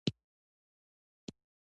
د دې برخلیک زموږ په لاس کې دی؟